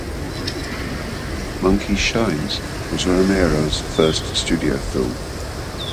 "Monkey Shines" was Romero's first studio film.